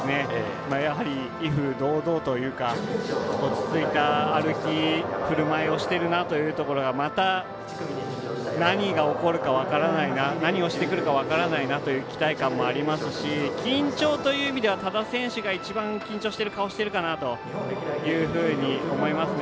やはり、威風堂々というか落ち着いた歩き、ふるまいをしているなというところがまた何が起こるか分からないな何をしてくるか分からないという期待感もあるし緊張という意味では多田選手が一番緊張している顔しているかなというふうに思いますね。